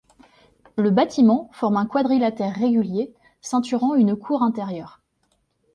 Le bâtiment forme un quadrilatère régulier ceinturant une cour intérieure.